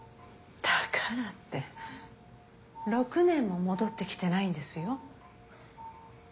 だからって６年も戻ってきてないんですよ。